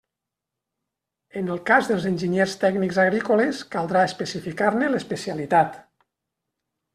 En el cas dels enginyers tècnics agrícoles, caldrà especificar-ne l'especialitat.